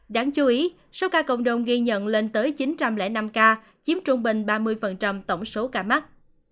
đáng chú ý số ca cộng đồng ghi nhận lên tới chín trăm linh năm ca chiếm trung bình ba mươi tổng số ca mắc